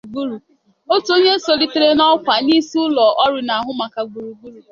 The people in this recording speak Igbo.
Otu onye solitere n'ọkwa n'isi ụlọ ọrụ na-ahụ maka gburugburu